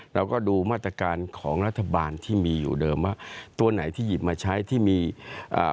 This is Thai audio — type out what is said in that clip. เราก็ดูมาตรการของรัฐบาลที่มีอยู่เดิมว่าตัวไหนที่หยิบมาใช้ที่มีอ่า